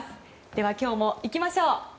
では、今日も行きましょう。